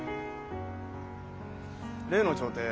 例の調停